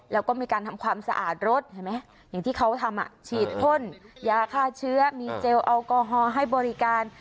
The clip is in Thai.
แล้วก็มีการทำความสะอาดรถเห็นไหมอย่างที่เขาทำฉีดพ่นยาฆ่าเชื้อมีเจลแอลกอฮอล์ให้บริการ